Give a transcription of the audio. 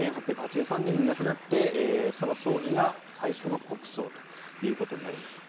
１８８３年に亡くなってその葬儀が最初の国葬ということになりました。